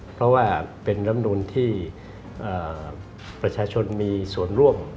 เพราะว่าเป็นลำนูนที่ประชาชนมีส่วนร่วม